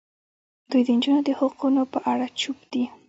دوی د نجونو د حقونو په اړه چوپ دي.